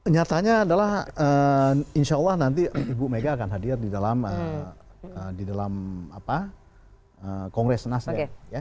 nyatanya adalah insya allah nanti ibu mega akan hadir di dalam kongres nasdem